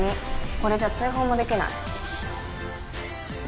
これじゃ追放もできない。